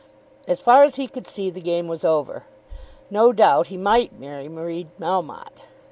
As far as he could see, the game was over. No doubt he might marry Marie Melmotte.